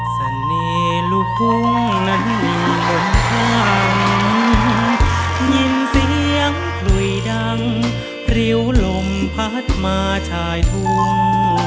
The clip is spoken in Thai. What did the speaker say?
เสน่ห์ลูกทุ่งนั้นอยู่บนข้างยินเสียงกลุยดังริ้วลมพัดมาชายทั่ว